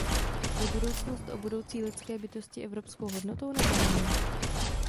Je starost o budoucí lidské bytosti evropskou hodnotou, nebo není?